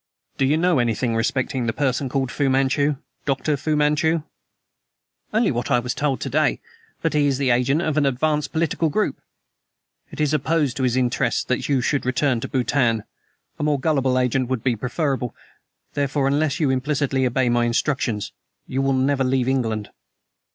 "Do you know anything respecting the person called Fu Manchu Dr. Fu Manchu?" "Only what I was told to day that he is the agent of an advanced political group." "It is opposed to his interests that you should return to Bhutan. A more gullible agent would be preferable. Therefore, unless you implicitly obey my instructions, you will never leave England!"